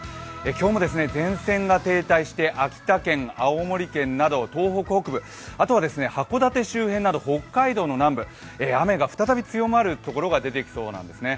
今日も前線が停滞して秋田県青森県など東北北部、あとは函館周辺など北海道の南部雨が再び強まる所が出てきそうなんですね。